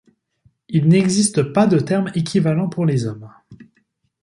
Il n'existe pas de terme équivalent pour les hommes.